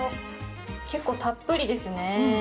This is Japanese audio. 結構たっぷりですね。